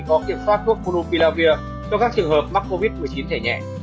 có kiểm soát thuốc monopilavir cho các trường hợp mắc covid một mươi chín thể nhẹ